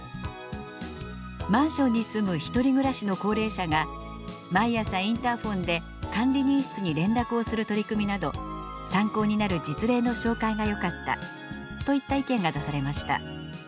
「マンションに住むひとり暮らしの高齢者が毎朝インターフォンで管理人室に連絡をする取り組みなど参考になる実例の紹介がよかった」といった意見が出されました。